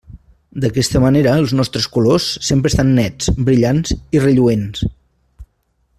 D'aquesta manera els nostres colors sempre estan nets, brillants i relluents.